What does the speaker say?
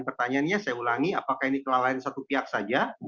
pertanyaannya saya ulangi apakah ini kelalaian satu pihak saja